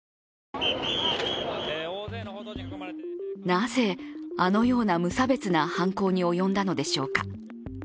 なぜ、あのような無差別な犯行に及んだのでしょうか。